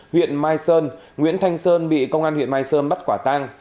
huyện mai sơn nguyễn thanh sơn bị công an huyện mai sơn bắt quả tang